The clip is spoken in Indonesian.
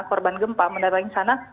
korban gempa mendatangi sana